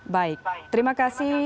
baik terima kasih